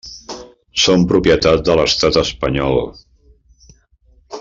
Són propietat de l'estat espanyol.